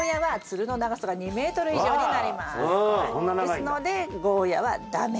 ですのでゴーヤーは駄目。